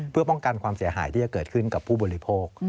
เพื่อป้องกันความเสียหายที่จะเกิดขึ้นกับผู้บริโภค